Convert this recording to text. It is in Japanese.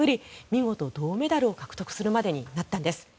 見事、銅メダルを獲得するまでになったんです。